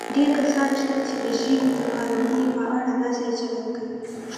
ډېر کسان شته چې د ژبې د کارونې په اړه داسې چلند کوي